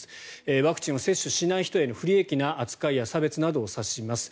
ワクチンを接種しない人への不利益な扱いや差別を指します。